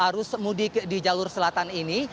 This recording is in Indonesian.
pemudik di jalur selatan ini